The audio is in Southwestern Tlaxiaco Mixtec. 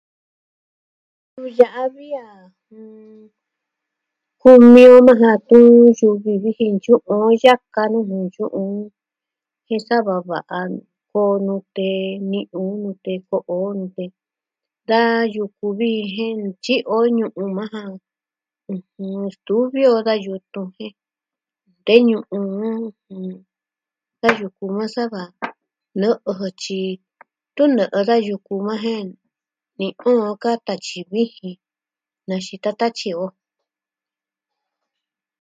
Nuu ya'a vi a kumi o maa ja tun suu vi viji ntyu'u o a yaka nuu nuu tyu'un. Je sava va'a koo nute, ni'u nute, ko'o nut, da yuku vi jen ntyi'i o ñu'un maa ja. ɨjɨn stuvi a ka yutun jin... de ñu'un da yuku maa sava nɨ'ɨ jɨ tyi, tɨɨn nɨ'ɨ da yuku maa jen viko o kata tyi vijin. Na xita tatyi o.